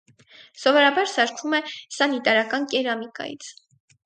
Սովորաբար սարքվում է սանիտարական կերամիկայից։